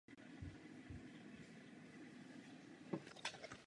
V patře jsou čtyři pravoúhlá okna.